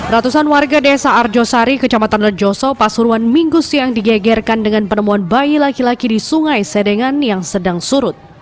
ratusan warga desa arjosari kecamatan rejoso pasuruan minggu siang digegerkan dengan penemuan bayi laki laki di sungai sedengan yang sedang surut